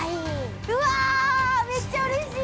◆うわっ、めっちゃうれしい！